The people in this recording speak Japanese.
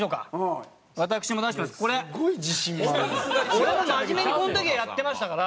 俺も真面目にこの時はやってましたから。